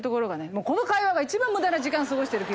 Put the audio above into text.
もうこの会話が一番無駄な時間過ごしてる気がする。